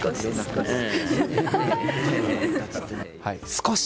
少し。